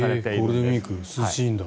ゴールデンウィーク涼しいんだ。